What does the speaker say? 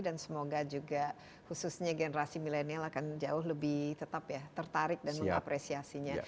dan semoga juga khususnya generasi milenial akan jauh lebih tetap ya tertarik dan mengapresiasinya